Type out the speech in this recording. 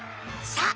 さあ